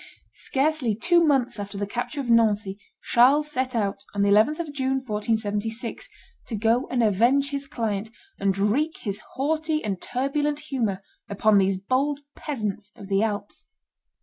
Scarcely two months after the capture of Nancy, Charles set out, on the 11th of June, 1476, to go and avenge his client, and wreak his haughty and turbulent humor upon these bold peasants of the Alps.